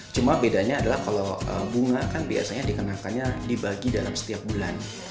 cuma bedanya adalah kalau bunga kan biasanya dikenakannya dibagi dalam setiap bulan